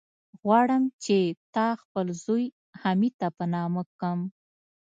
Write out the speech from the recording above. غواړم چې تا خپل زوی، حميد ته په نامه کم.